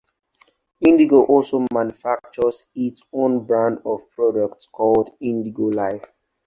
Indigo also manufactures its own brand of products, called IndigoLife.